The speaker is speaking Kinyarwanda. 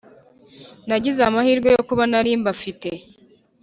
nagize amahirwe yo kuba nari mbafite